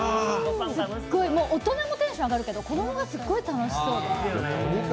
すっごい大人もテンション上がるけど、子供がすごい楽しそうで。